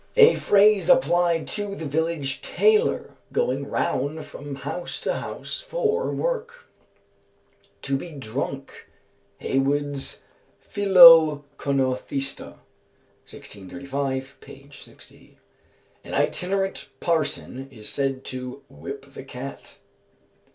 A phrase applied to the village tailor going round from house to house for work. "To be drunk." HEYWOOD'S Philoconothista, 1635, p. 60. An itinerant parson is said to "whip the cat."